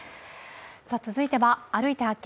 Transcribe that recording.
続いては、「歩いて発見！